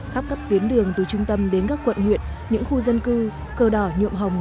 khắp cấp tuyến đường từ trung tâm đến các quận huyện những khu dân cư cầu đỏ nhộm hồng